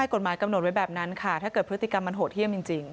กฎหมายกำหนดไว้แบบนั้นค่ะถ้าเกิดพฤติกรรมมันโหดเยี่ยมจริง